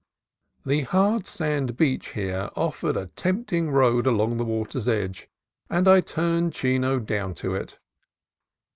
The hard sand beach here offered a tempting road along the water's edge, and I turned Chino down to it.